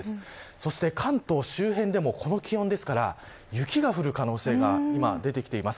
そして、関東周辺でもこの気温ですから雪が降る可能性が今、出てきています。